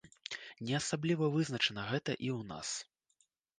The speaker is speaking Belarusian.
Не асабліва вызначана гэта і ў нас.